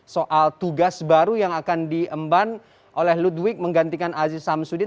soal tugas baru yang akan diemban oleh ludwig menggantikan aziz samsudin